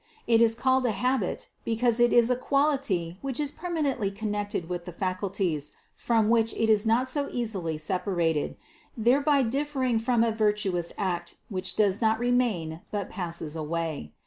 It is called a habit, because it is a quality which is permanently connected with the faculties from which it is not so easily separated, thereby differing from a virtuous act, which does not remain, but passes away.